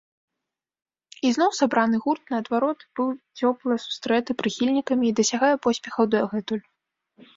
Ізноў сабраны гурт, наадварот, быў цёпла сустрэты прыхільнікамі і дасягае поспехаў дагэтуль.